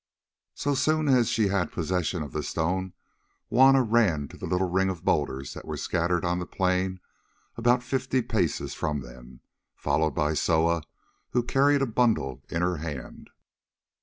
So soon as she had possession of the stone, Juanna ran to a little ring of boulders that were scattered on the plain about fifty paces from them, followed by Soa, who carried a bundle in her hand.